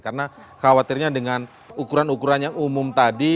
karena khawatirnya dengan ukuran ukuran yang umum tadi